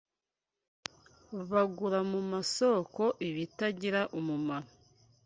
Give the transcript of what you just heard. bagura mu masoko ibitagira umumaro